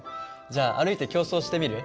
じゃあ歩いて競争してみる？